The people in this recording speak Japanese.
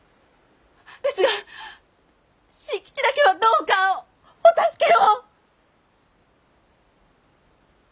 ですが新吉だけはどうかお助けを！